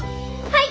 はい。